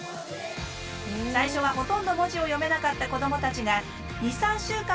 最初はほとんど文字を読めなかった子どもたちが２３週間